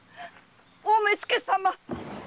大目付様！